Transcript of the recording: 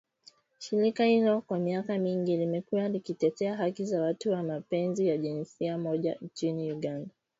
Shirika hilo kwa miaka mingi limekuwa likitetea haki za watu wa mapenzi ya jinsia moja nchini Uganda.